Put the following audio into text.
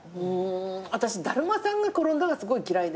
私「だるまさんが転んだ」がすごい嫌いで。